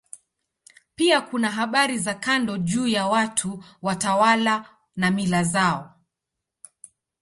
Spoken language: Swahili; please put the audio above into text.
Pia kuna habari za kando juu ya watu, watawala na mila zao.